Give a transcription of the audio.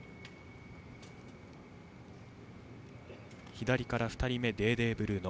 左から２人目デーデー・ブルーノ。